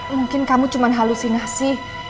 mungkin kamu cuma halusinasi